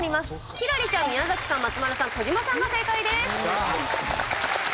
輝星ちゃん、宮崎さん松丸さん、児嶋さんが正解です。